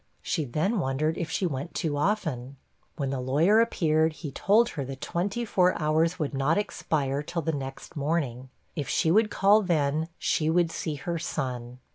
She then wondered if she went too often. When the lawyer appeared, he told her the twenty four hours would not expire till the next morning; if she would call then, she would see her son.